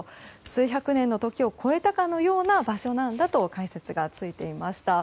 数百年の時を越えたかのような場所なんだと解説がついていました。